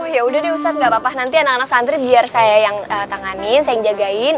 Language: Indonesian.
ya udah deh ustadz gak apa apa nanti anak anak santri biar saya yang tanganin saya yang jagain